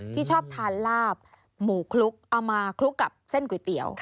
ที่ชอบทานลาบหมูคลุกเอามาคลุกกับเส้นก๋วยเตี๋ยว